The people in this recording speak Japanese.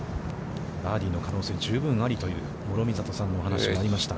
バーディーの可能性が十分ありという、諸見里さんのお話しもありました。